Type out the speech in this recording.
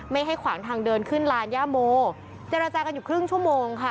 ไม่ให้ขวางทางเดินขึ้นลานย่าโมเจรจากันอยู่ครึ่งชั่วโมงค่ะ